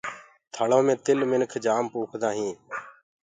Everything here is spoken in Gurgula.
ٿݪيٚ مي تل منک تِل جآم پوکدآ هينٚ۔